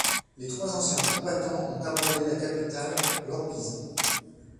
Les trois anciens combattants ont abandonné la capitale, l'Orbise.